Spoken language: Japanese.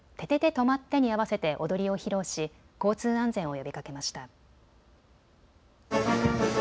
とまって！に合わせて踊りを披露し交通安全を呼びかけました。